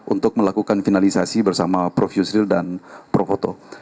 untuk melakukan finalisasi bersama prof yusril dan prof koto